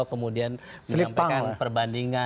kemudian menyampaikan perbandingan